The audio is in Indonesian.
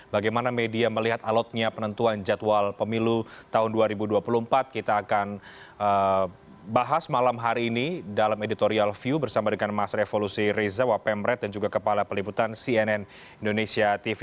bagaimana media melihat alotnya penentuan jadwal pemilu tahun dua ribu dua puluh empat kita akan bahas malam hari ini dalam editorial view bersama dengan mas revolusi reza wapemret dan juga kepala peliputan cnn indonesia tv